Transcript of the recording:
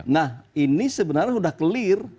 nah ini sebenarnya sudah clear